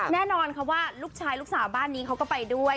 แน่นอนค่ะว่าลูกชายลูกสาวบ้านนี้เขาก็ไปด้วย